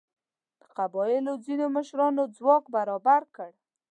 د قبیلو ځینو مشرانو ځواک برابر کړ.